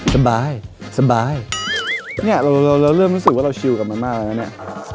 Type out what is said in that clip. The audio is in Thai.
สบายเริ่มรู้สึกว่าเราชิวกับมันมากแล้วเนี่ย